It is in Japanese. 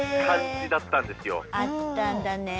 あったんだねえ